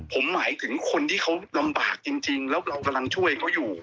ผมหมายถึงคนที่เขาลำบากจริงแล้วเรากำลังช่วยเขาอยู่